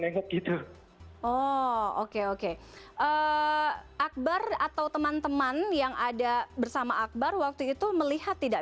oh oke oke akbar atau teman teman yang ada bersama akbar waktu itu melihat tidak